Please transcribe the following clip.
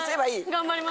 頑張ります。